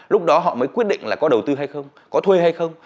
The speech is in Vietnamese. lúc đó họ mới quyết định là có đầu tư hay không có thuê hay không